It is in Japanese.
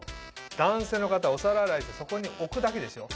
男性の方はお皿洗いしてそこに置くだけですよ。